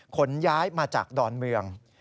ขนย้ายมาจากดอนเมือง